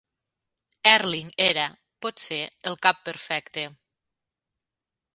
Ehrling era, potser, el cap perfecte.